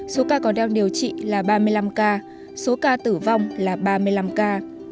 số ca còn đang điều trị là ba mươi năm ca số ca tử vong là ba mươi năm ca